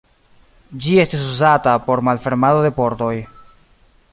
Ĝi estis uzata por malfermado de pordoj.